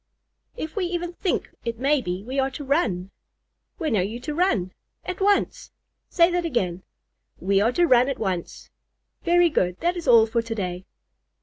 "If we even think it may be, we are to run." "When are you to run?" "At once." "Say that again." "We are to run at once." "Very good. That is all for to day."